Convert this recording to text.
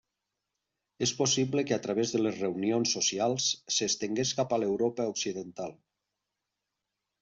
És possible que a través de les reunions socials s'estengués cap a l'Europa occidental.